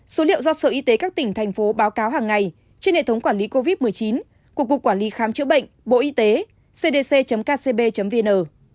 số liệu do sở y tế các tỉnh thành phố báo cáo hàng ngày trên hệ thống quản lý covid một mươi chín của cục quản lý khám chữa bệnh bộ y tế cdc kcb vn